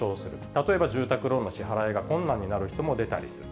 例えば住宅ローンの支払いが困難になる人も出たりする。